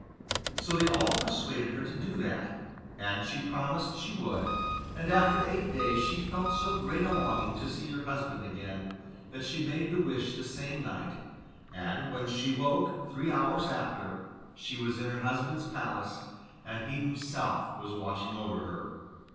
So they all persuaded her to do that, and she promised she would; and after eight days she felt so great a longing to see her husband again that she made the wish the same night, and when she woke three hours after, she was in her husband's palace, and he himself was watching over her.